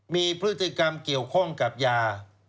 มีพฤติกรรมเกี่ยวข้องกับยา